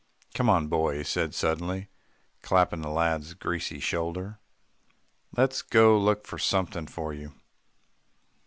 "Come on, boy," he said suddenly, clapping the lad's greasy shoulder. "Let's go look for something for you."